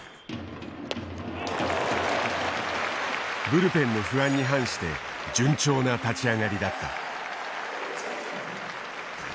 ブルペンの不安に反して順調な立ち上がりだった。